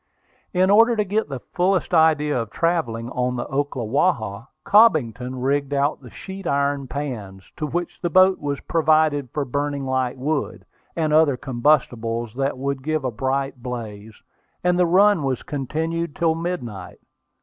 In order to get the fullest idea of travelling on the Ocklawaha, Cobbington rigged out the sheet iron pans, with which the boat was provided for burning light wood, and other combustibles that would give a bright blaze, and the run was continued till midnight.